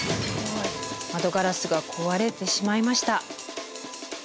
窓ガラスが壊れてしまいました。